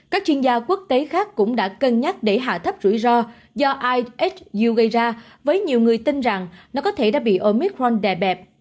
các chuyên gia quốc tế khác cũng đã cân nhắc để hạ thấp rủi ro do ix gây ra với nhiều người tin rằng nó có thể đã bị omit ron đè bẹp